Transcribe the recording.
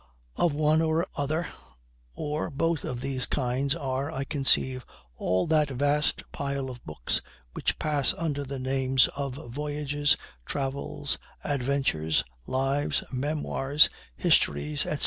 Of one or other, or both of these kinds, are, I conceive, all that vast pile of books which pass under the names of voyages, travels, adventures, lives, memoirs, histories, etc.